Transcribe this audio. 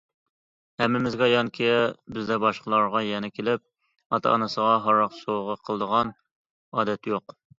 ھەممىمىزگە ئايانكى، بىزدە باشقىلارغا، يەنە كېلىپ ئاتا- ئانىسىغا ھاراق سوۋغا قىلىدىغان ئادەت يوق.